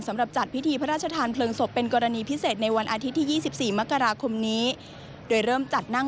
สำหรับจัดพิธีพระราชธานเพลิงศพเป็นกรณีพิเศษในวันอาทิตย์ที่๒๔มกราคมนี้